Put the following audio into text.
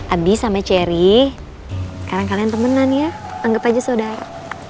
abdi sama ceri sekarang kalian temenan ya anggap aja saudara